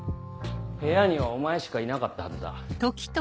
部屋にはお前しかいなかったはずだ。